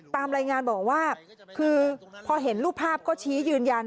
ตามรายงานบอกว่าคือพอเห็นรูปภาพก็ชี้ยืนยัน